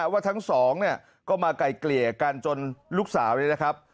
ว่าทั้งสองเนี่ยก็มาไกลเกลี่ยกันจนลูกสาวเนี่ยนะครับ